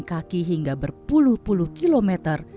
kaki hingga berpuluh puluh kilometer